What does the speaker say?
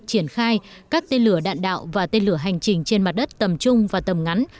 triển khai các tên lửa đạn đạo và tên lửa hành trình trên mặt đất tầm trung và tầm ngắn